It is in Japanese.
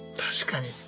確かに。